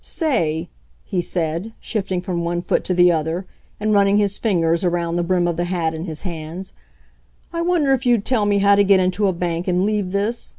"Say," he said, shifting from one foot to the other, and running his fingers around the brim of the hat in his hands, "I wonder if you'd tell me how to get into a bank and leave this